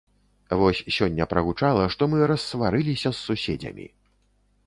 Вось сёння прагучала, што мы рассварыліся з суседзямі.